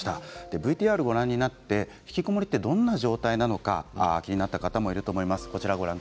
ＶＴＲをご覧になってひきこもりがどんな状態なのか気になった方もいらっしゃると思います。